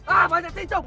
ah banyak cincung